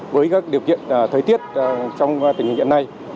với các điều kiện thời tiết trong tình hình hiện nay